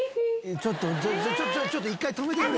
ちょっとちょっと一回止めてくれ。